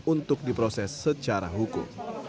untuk diproses secara hukum